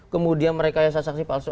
kemudian mereka yasak saksi palsu